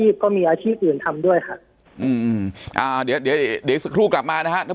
ปากกับภาคภูมิ